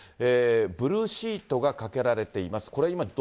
ブルーシートがかけられています。